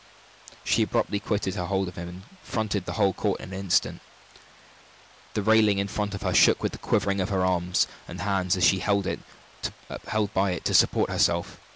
She abruptly quitted her hold of him, and fronted the whole court in an instant. The railing in front of her shook with the quivering of her arms and hands as she held by it to support herself!